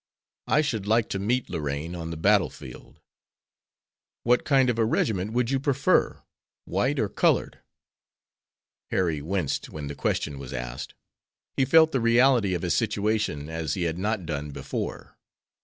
I should like to meet Lorraine on the battle field." "What kind of a regiment would you prefer, white or colored?" Harry winced when the question was asked. He felt the reality of his situation as he had not done before.